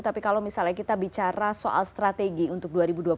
tapi kalau misalnya kita bicara soal strategi untuk dua ribu dua puluh empat